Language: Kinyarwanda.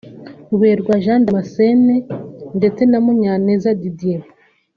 Ruberwa Jean Damascene ndetse na Munyaneza Didier